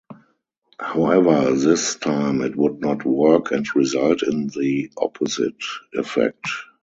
However this time it would not work and result in the opposite effect.